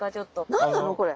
何なのこれ？